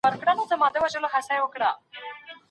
آيا په روغتيايي سکتور کي پرمختګ سوى دى؟